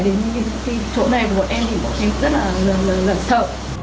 nhưng khi chỗ này bọn em thì bọn em rất là sợ